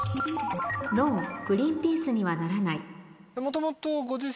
「Ｎｏグリーンピースにはならない」